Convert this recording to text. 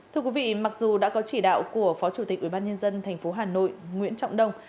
thưa quý vị mặc dù đã có chỉ đạo của phó chủ tịch ubnd tp hà nội nguyễn trọng đông